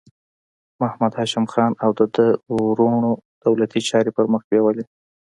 محمد هاشم خان او د ده وروڼو دولتي چارې پر مخ بیولې.